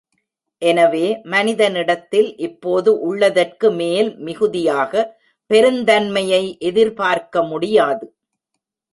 எனவே, மனிதனிடத்தில் இப்போது உள்ளதற்கு மேல் மிகுதியான பெருந்தன்மையை எதிர்பார்க்க முடியாது.